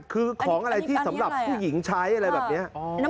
คือของอะไรที่สำหรับผู้หญิงใช้อะไรแบบนี้